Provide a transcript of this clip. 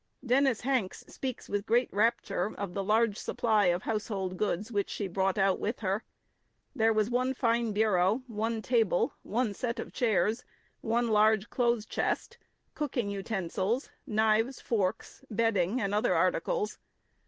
Dennis Hanks speaks with great rapture of the "large supply of household goods" which she brought out with her. There was "one fine bureau, one table, one set of chairs, one large clothes chest, cooking utensils, knives, forks, bedding, and other articles."